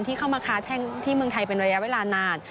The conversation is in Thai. ที่เข้ามาท่างที่เมืองไทยมันเป็นระยะเวลานาน